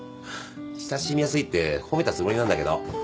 親しみやすいって褒めたつもりなんだけど。